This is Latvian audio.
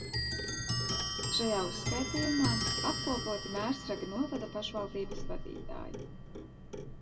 Šajā uzskaitījumā apkopoti Mērsraga novada pašvaldības vadītāji.